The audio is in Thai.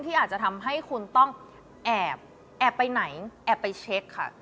อาจจะทำให้คุณต้องแอบแอบไปไหนแอบไปเช็คค่ะ